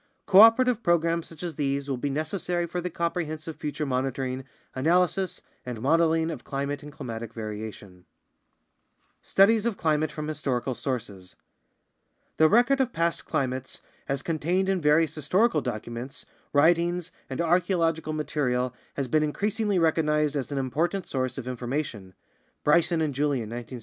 Cooperative programs such as these will be neces sary for the comprehensive future monitoring, analysis, and modeling of climate and climatic variation. STUDIES OF CLIMATE FROM HISTORICAL SOURCES The record of past climates as contained in various historical documents, writings, and archeological material has been increasingly recognized as an important source of information (Bryson and Julian, 1963; Butzer, 1971; Carpenter, 1965; LeRoy Ladurie, 1971; Lamb, 1968, 1972; Ludlam, 1966, 1968).